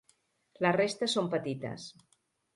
La resta són petites.